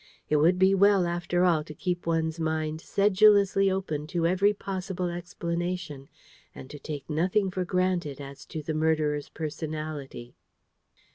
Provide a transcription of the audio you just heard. It would be well, after all, to keep one's mind sedulously open to every possible explanation, and to take nothing for granted as to the murderer's personality.